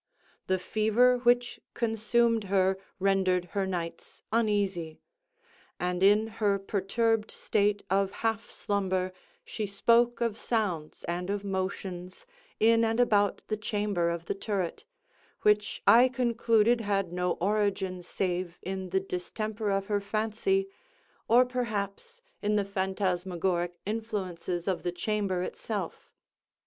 The fever which consumed her rendered her nights uneasy; and in her perturbed state of half slumber, she spoke of sounds, and of motions, in and about the chamber of the turret, which I concluded had no origin save in the distemper of her fancy, or perhaps in the phantasmagoric influences of the chamber itself.